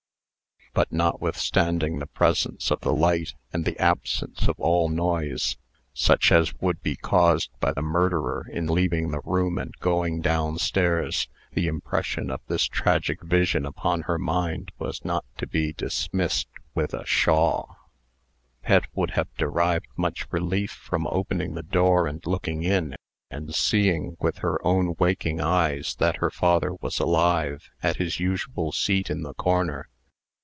But, notwithstanding the presence of the light, and the absence of all noise, such as would be caused by the murderer in leaving the room and going down stairs, the impression of this tragic vision upon her mind was not to be dismissed with a "Pshaw!" Pet would have derived much relief from opening the door and looking in, and seeing, with her own waking eyes, that her father was alive, at his usual seat in the corner.